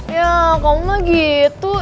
ya kamu mah gitu